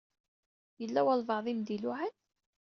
Yella walebɛaḍ i m-d-iluɛan?